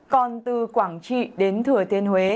còn từ quảng trị đến thừa thiên huế